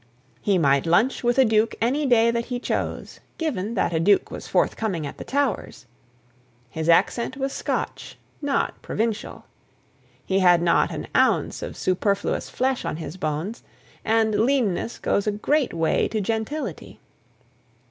He might lunch with a duke any day that he chose; given that a duke was forthcoming at the Towers. His accent was Scotch, not provincial. He had not an ounce of superfluous flesh on his bones; and leanness goes a great way to gentility.